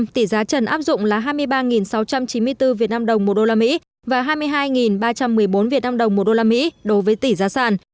tỷ giá trần áp dụng là hai mươi ba sáu trăm chín mươi bốn vnđ một đô la mỹ và hai mươi hai ba trăm một mươi bốn vnđ một đô la mỹ đối với tỷ giá sản